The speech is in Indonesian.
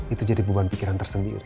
itu jadi beban pikiran tersendiri